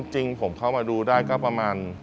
จริงผมเข้ามาดูได้ก็ประมาณ